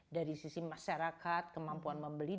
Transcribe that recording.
dari sisi masyarakat kemampuan membeli